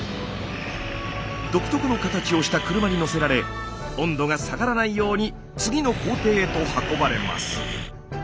独特の形をした車に載せられ温度が下がらないように次の工程へと運ばれます。